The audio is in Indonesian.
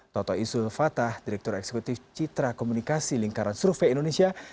toto izul fatah direktur eksekutif citra komunikasi lingkaran survei indonesia